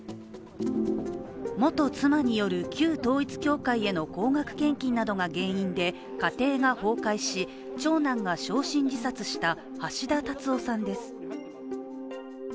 元妻による旧統一教会への高額献金などが原因で家庭が崩壊し、長男が焼身自殺した橋田達夫さんです。